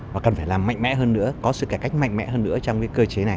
và cần phải làm mạnh mẽ hơn nữa có sự cải cách mạnh mẽ hơn nữa trong cái cơ chế này